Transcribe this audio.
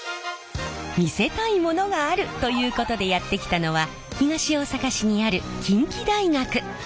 見せたいものがある！ということでやって来たのは東大阪市にある近畿大学！